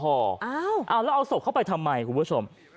เอาแล้วเอาศพเข้าไปทำไมคุณผู้ชม